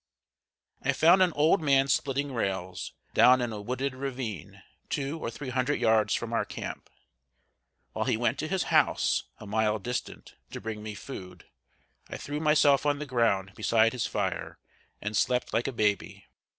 ] I found an old man splitting rails, down in a wooded ravine two or three hundred yards from our camp. While he went to his house, a mile distant, to bring me food, I threw myself on the ground beside his fire and slept like a baby.